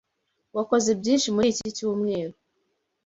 Wakoze byinshi muri iki cyumweru.